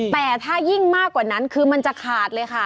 แต่ถ้ายิ่งมากกว่านั้นคือมันจะขาดเลยค่ะ